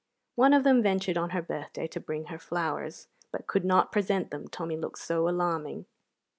One of them ventured on her birthday to bring her flowers, but could not present them, Tommy looked so alarming.